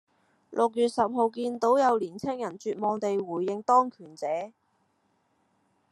六月十號見到有年青人絕望地回應當權者